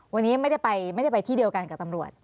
วันนี้ไม่ได้ไปที่เดียวกันกับตำรวจ